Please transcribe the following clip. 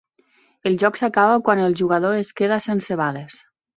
El joc s'acaba quan el jugador es queda sense bales.